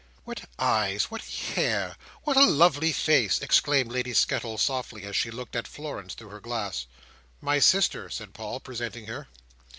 "What eyes! What hair! What a lovely face!" exclaimed Lady Skettles softly, as she looked at Florence through her glass. "My sister," said Paul, presenting her.